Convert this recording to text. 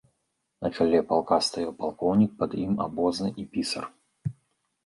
На чале палка стаяў палкоўнік, пад ім абозны і пісар.